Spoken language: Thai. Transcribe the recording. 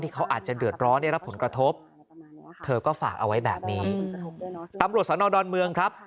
เขาอาจจะเดือดร้อนได้รับผลกระทบเธอก็ฝากเอาไว้แบบนี้ตำรวจสอนอดอนเมืองครับ